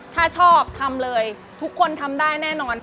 ถ้าชอบทำเลยทุกคนทำได้แน่นอน